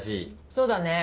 そうだね。